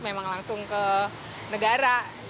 memang langsung ke negara